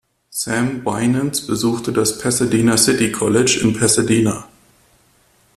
Sam Winans besuchte das Pasadena City College in Pasadena.